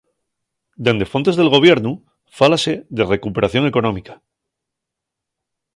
Dende fontes del Gobiernu fálase de recuperación económica.